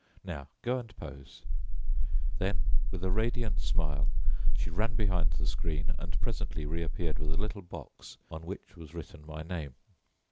Now go and pose," Then with a radiant smile she ran behind the screen and presently reappeared with a little box on which was written my name.